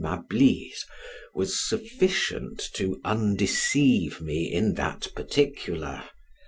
Malby's was sufficient to undeceive me in that particular.